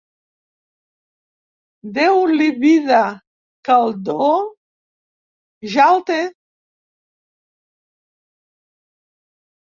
Deu-li vida, que el do ja el té.